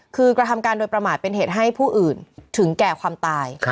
คือกระทำการโดยประมาทเป็นเหตุให้ผู้อื่นถึงแก่ความตาย